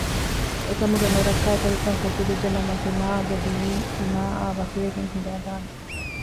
އެކަމުގެ ނުރައްކާތެރިކަން ފެތުރިއްޖެނަމަ ތިމާގެ ދީން ތިމާއާ ވަކިވެގެން ހިނގައިދާނެ